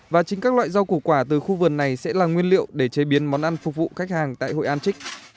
và chính các loại rau củ quả từ khu vườn này sẽ là nguyên liệu để chế biến món ăn phục vụ khách hàng tại hội an trích